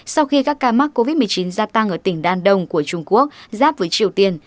sau khi các ca mắc covid một mươi chín gia tăng ở tỉnh đan đông của trung quốc giáp với triều tiên